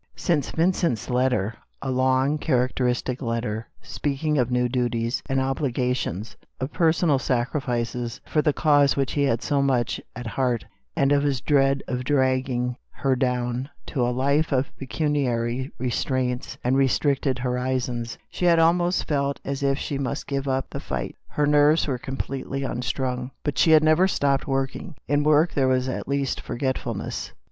Since Vincent's letter — a long, characteristic letter — speaking of new duties and obligations, of personal sacrifices for the cause he had so much at heart, and of his dread of dragging her down 216 THE 8T0R7 OF A MODERN WOMAN. to a life of pecuniary restraints and restricted horizons —" she had almost felt as if she must give up the fight. Her nerves were com pletely unstrung, but she had never stopped working. In work there was at least forget fulness.